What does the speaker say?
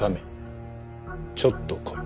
ちょっと来い。